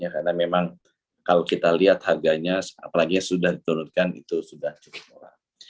karena memang kalau kita lihat harganya apalagi sudah diturunkan itu sudah cukup murah